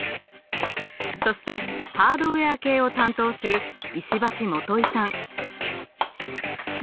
そしてハードウェア系を担当する石橋素さん。